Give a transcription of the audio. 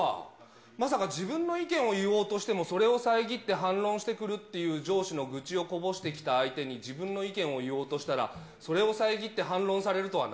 まさか自分の意見を言おうとしても、それを遮って反論してくるっていう上司の愚痴をこぼしてきた相手に自分の意見を言おうとしたら、それを遮って反論されるとはな。